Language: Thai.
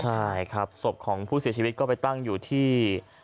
ใช่ครับศพของผู้เสียชีวิตก็ไปตั้งอยู่ที่